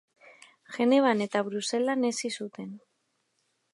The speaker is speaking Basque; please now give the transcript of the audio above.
Genevan eta Bruselan hezi zuten.